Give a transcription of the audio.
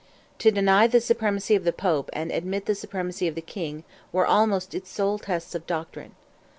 To deny the supremacy of the Pope and admit the supremacy of the King were almost its sole tests of doctrine.